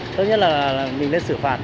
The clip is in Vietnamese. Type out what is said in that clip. thứ nhất là mình nên xử phạt